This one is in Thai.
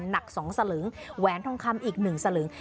หนัก๒สลึงแหวนทองคำอีก๑สลึง